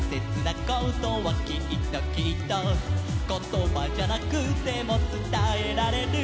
「ことばじゃなくてもつたえられる」